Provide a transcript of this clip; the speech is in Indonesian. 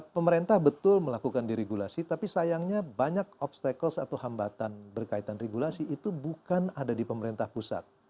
pemerintah betul melakukan diregulasi tapi sayangnya banyak obstacles atau hambatan berkaitan regulasi itu bukan ada di pemerintah pusat